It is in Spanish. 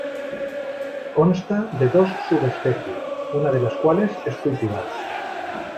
Consta de dos subespecies, una de las cuales es cultivada.